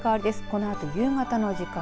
このあと夕方の時間